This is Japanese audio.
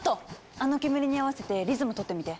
あの煙に合わせてリズムとってみて。